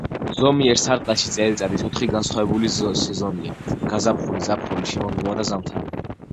ზომიერ სარტყელში წელიწადის ოთხი განსხვავებული სეზონია:გაზაფხული, ზაფხული, შემოდგომა და ზამთარი.